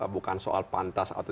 bukan soal pantas atau